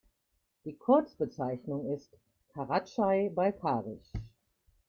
Die Kurzbezeichnung ist "Karatschai-Balkarisch".